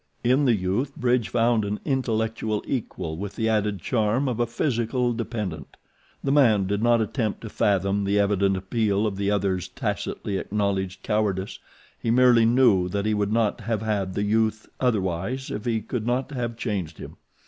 In the youth Bridge found an intellectual equal with the added charm of a physical dependent. The man did not attempt to fathom the evident appeal of the other's tacitly acknowledged cowardice; he merely knew that he would not have had the youth otherwise if he could have changed him.